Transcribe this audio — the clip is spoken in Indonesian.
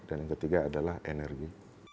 dan yang ketiga adalah energi